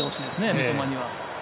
三笘には。